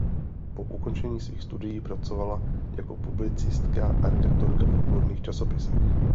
Po ukončení svých studií pracovala jako publicistka a redaktorka v odborných časopisech.